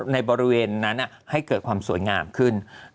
ในบริเวณนั้นให้เกิดความสวยงามขึ้น